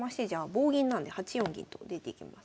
棒銀なんで８四銀と出ていきます。